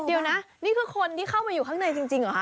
เดี๋ยวนะนี่คือคนที่เข้ามาอยู่ข้างในจริงเหรอคะ